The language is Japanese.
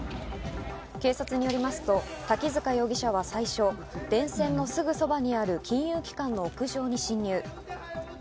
警察によりますと、滝塚容疑者は最初、電線のすぐそばにある金融機関の屋上に侵入。